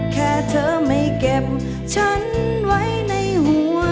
แค่เธอไม่เก็บฉันไว้ในหัว